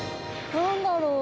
何だろう？